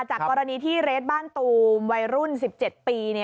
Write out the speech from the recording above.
จากกรณีที่เรทบ้านตูมวัยรุ่น๑๗ปี